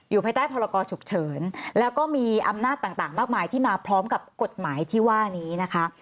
ภายใต้พรกรฉุกเฉินแล้วก็มีอำนาจต่างมากมายที่มาพร้อมกับกฎหมายที่ว่านี้นะคะ